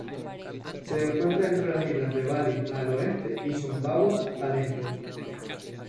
Se encuentra entre las islas de Bali, al oeste, y Sumbawa, al este.